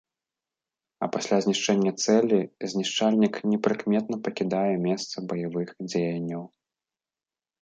А пасля знішчэння цэлі знішчальнік непрыкметна пакідае месца баявых дзеянняў.